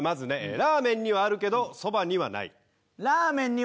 ラーメンにはあるけどそばにはない？